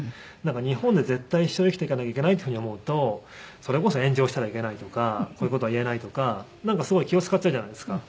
日本で絶対一生生きていかなきゃいけないっていうふうに思うとそれこそ炎上したらいけないとかこういう事は言えないとかなんかすごい気を使っちゃうじゃないですか。